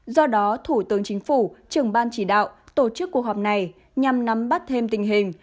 do đó thủ tướng chính phủ trưởng ban chỉ đạo tổ chức cuộc họp này nhằm nắm bắt thêm tình hình